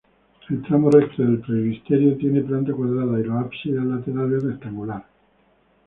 El tramo recto del presbiterio tiene planta cuadrada y los ábsides laterales rectangular.